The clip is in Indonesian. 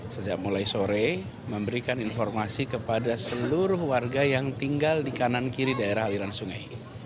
sejak mulai sore memberikan informasi kepada seluruh warga yang tinggal di kanan kiri daerah aliran sungai